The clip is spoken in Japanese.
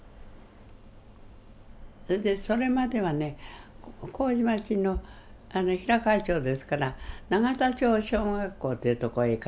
それでそれまではね麹町の平河町ですから永田町小学校というとこへ通ってるんです。